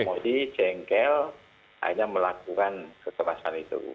melaksanakan jengkel akhirnya melakukan keterasan itu